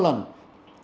bao nhiêu lần